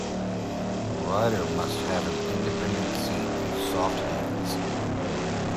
The rider must have an independent seat and soft hands.